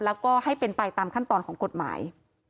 แล้วก็ให้เป็นไปตามขั้นตอนของกฎหมาย